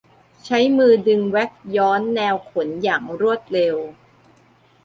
ใช้มือดึงแว็กซ์ย้อนแนวขนอย่างรวดเร็ว